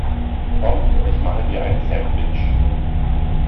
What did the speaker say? Komm, ich mache dir ein Sandwich.